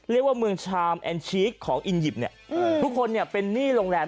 เรียกว่าเมืองชามแอนด์ชีคของอินหยิบทุกคนเป็นหนี้โรงแรม